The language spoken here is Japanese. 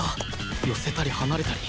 寄せたり離れたり